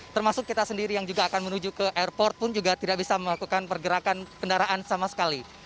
termasuk kita sendiri yang juga akan menuju ke airport pun juga tidak bisa melakukan pergerakan kendaraan sama sekali